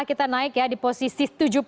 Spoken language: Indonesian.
kita naik ya di posisi tujuh puluh